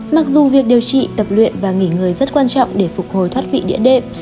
mặc dù việc điều trị tập luyện và nghỉ người rất quan trọng để phục hồi thoát vị địa đệm